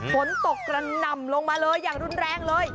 ฝนตกกระหน่ำลงมาเลยอย่างรุนแรงเลย